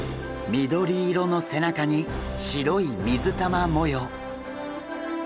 緑色の背中に白い水玉模様。